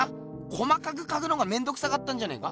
細かく描くのがめんどくさかったんじゃねえか？